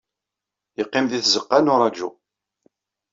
Yeqqim di tzeqqa n uṛaju.